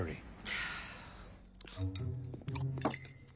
はあ。